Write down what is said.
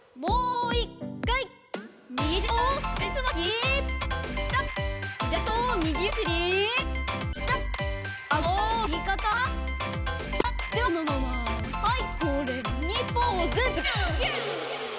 もう１かい！